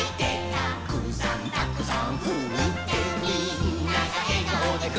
「たくさんたくさんふって」「みんながえがおでふって」